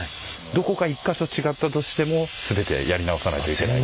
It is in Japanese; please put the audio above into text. どこか１か所違ったとしても全てやり直さないといけない。